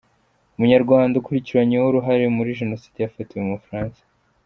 Umunyarwanda ukurikiranyweho uruhare muri Jenoside yafatiwe mu Bufaransa